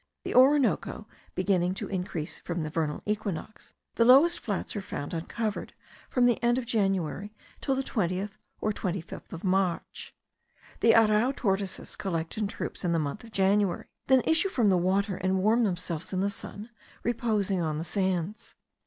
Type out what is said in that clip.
The Orinoco beginning to increase from the vernal equinox, the lowest flats are found uncovered from the end of January till the 20th or 25th of March. The arrau tortoises collect in troops in the month of January, then issue from the water, and warm themselves in the sun, reposing on the sands.